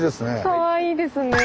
かわいいですね。